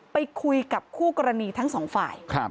ไปคุยกับคู่กรณีทั้งสองฝ่าย